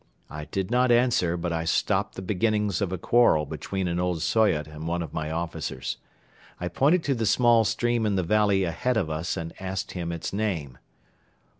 I did not answer but I stopped the beginnings of a quarrel between an old Soyot and one of my officers. I pointed to the small stream in the valley ahead of us and asked him its name.